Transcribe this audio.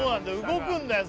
動くんだよ